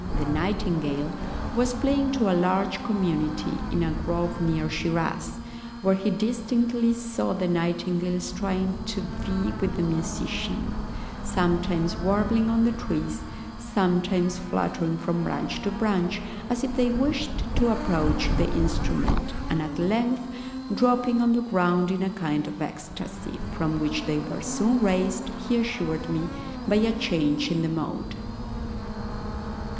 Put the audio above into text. the nightingale), was playing to a large company, in a grove near Shiraz, where he distinctly saw the nightingales trying to vie with the musician, sometimes warbling on the trees, sometimes fluttering from branch to branch, as if they wished to approach the instrument, and at length dropping on the ground in a kind of ecstacy, from which they were soon raised, he assured me, by a change in the mode."